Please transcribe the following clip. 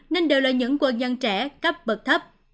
nên đều là những quân nhân trẻ cấp bậc thấp